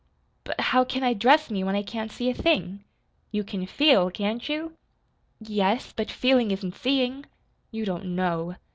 "But how can I dress me when I can't see a thing?" "You can feel, can't you?" "Y yes. But feeling isn't seeing. You don't KNOW."